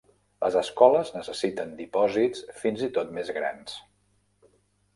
Les escoles necessiten dipòsits fins i tot més grans.